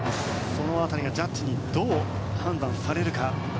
その辺りがジャッジにどう判断されるか。